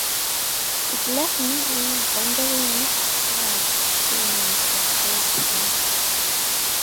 It left me wondering where the hell I'd been the whole time.